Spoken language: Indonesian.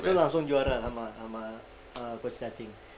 itu langsung juara sama coach cacing